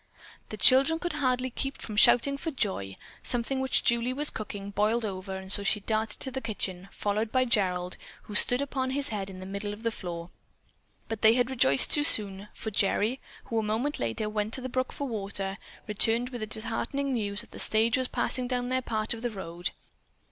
The children could hardly keep from shouting for joy. Something which Julie was cooking, boiled over and so she darted to the kitchen, followed by Gerald, who stood upon his head in the middle of the floor. But they had rejoiced too soon, for Gerry, who a moment later went to the brook for water, returned with the disheartening news that the stage was passing down their part of the road.